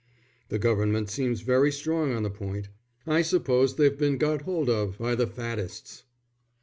"The Government seems very strong on the point. I suppose they've been got hold of by the faddists."